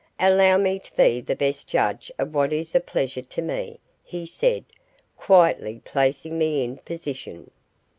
"Allow me to be the best judge of what is a pleasure to me," he said, quietly placing me in position.